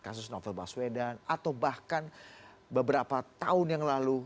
kasus novel baswedan atau bahkan beberapa tahun yang lalu